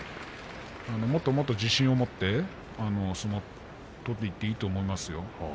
もっともっと自信を持って相撲を取っていっていいと思いますよ。